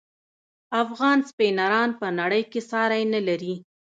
افغان سپینران په نړۍ کې ساری نلري.